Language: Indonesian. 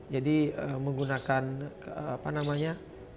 jadi menggunakan apa namanya